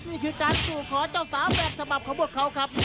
นี่คือการสู่ขอเจ้าสาวแบบฉบับของพวกเขาครับ